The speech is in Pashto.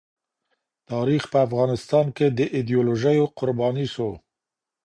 تاریخ په افغانستان کي د ایډیالوژیو قرباني سو.